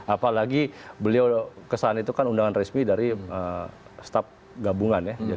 apalagi beliau kesan itu kan undangan resmi dari staf gabungan ya